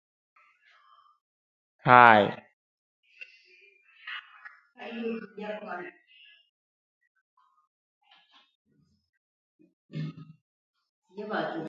They carried little flashlights.